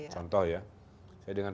contoh ya saya dengan